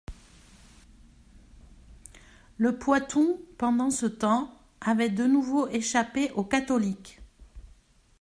Le Poitou, pendant ce temps, avait de nouveau échappé aux catholiques.